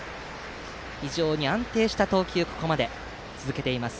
非常に安定した投球をここまで続けています。